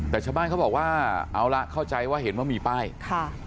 แต่ชาวบ้านเขาบอกว่าเอาละเข้าใจว่าเห็นว่ามีป้ายค่ะ